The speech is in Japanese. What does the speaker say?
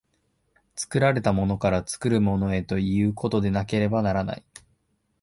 作られたものから作るものへということでなければならない。